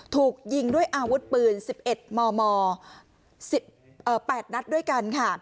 ถูกยิงด้วยอาวุธปืนสิบเอ็ดมมสิบเอ่อแปดนัดด้วยกันค่ะ